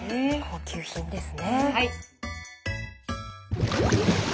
高級品ですね。